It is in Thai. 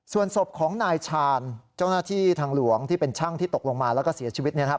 ส่วนศพของนายชาญเจ้าหน้าที่ทางหลวงที่เป็นช่างที่ตกลงมาแล้วก็เสียชีวิตเนี่ยนะครับ